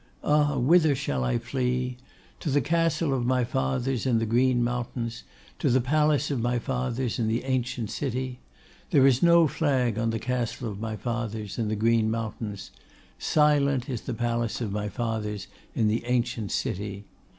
Ah! whither shall I flee? To the castle of my fathers in the green mountains; to the palace of my fathers in the ancient city? There is no flag on the castle of my fathers in the green mountains, silent is the palace of my fathers in the ancient city.